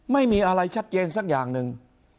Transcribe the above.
ไม่มีอะไรชัดเจนสักอย่างหนึ่ง